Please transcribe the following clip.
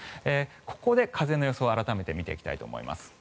ここで風の予想改めて見ていきたいと思います。